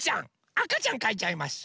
あかちゃんかいちゃいます。